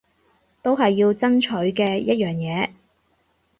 都係要爭取嘅一樣嘢